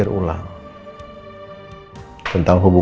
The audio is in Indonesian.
saya akan pergi dulu